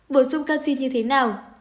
bổ sung canxi như thế nào